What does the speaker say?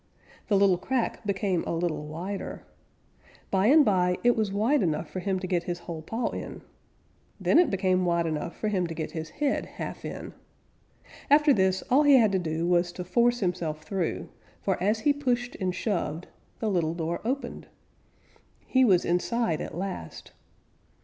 The little crack became a little wider. By and by it was wide enough for him to get his whole paw in. Then it became wide enough for him to get his head half in. After this, all he had to do was to force himself through, for as he pushed and shoved, the little door opened. He was inside at last!